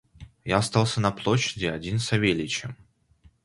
Я остался на площади один с Савельичем.